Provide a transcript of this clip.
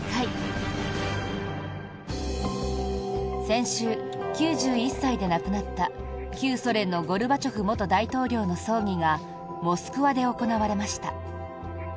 先週、９１歳で亡くなった旧ソ連のゴルバチョフ元大統領の葬儀がモスクワで行われました。